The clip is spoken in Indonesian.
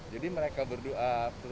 jadi mereka berdua